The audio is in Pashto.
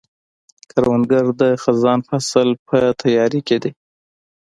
کروندګر د خزان فصل په تیاري کې دی